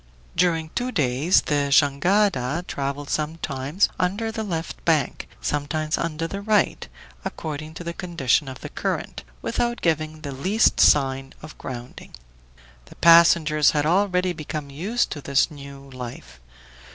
During two days the jangada traveled sometimes under the left bank, sometimes under the right, according to the condition of the current, without giving the least sign of grounding. The passengers had already become used to this new life.